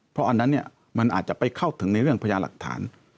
เพราะอันนั้นมันอาจจะไปเข้าถึงในเรื่องพญาหลักฐาน